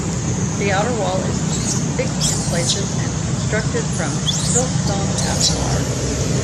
The outer wall is thick in places and constructed from Siltstone ashlar.